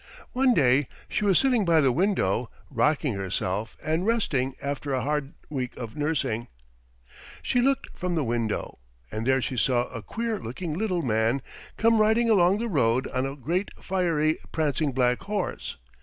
One day she was sitting by the window, rocking herself and resting after a hard week of nursing. She looked from the window, and there she saw a queer looking little man come riding along the road on a great fiery, prancing black horse.